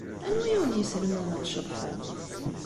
Anwa ay awen-yeslemden ad tceḍḥem?